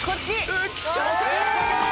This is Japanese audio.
浮所君！